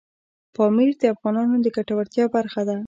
پامیر د افغانانو د ګټورتیا برخه ده.